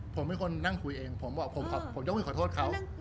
ผมเป็นคนนั่งคุยเองผมยกไม่ขอโทษเขา